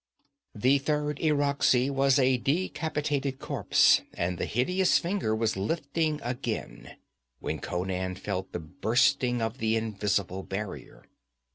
The third Irakzai was a decapitated corpse, and the hideous finger was lifting again when Conan felt the bursting of the invisible barrier.